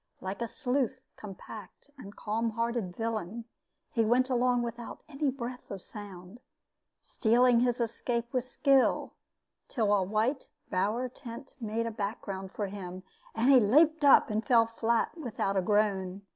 Like a sleuth, compact, and calm hearted villain, he went along without any breath of sound, stealing his escape with skill, till a white bower tent made a background for him, and he leaped up and fell flat without a groan.